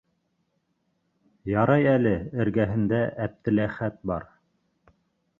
Ярай әле эргәһендә Әптеләхәт бар.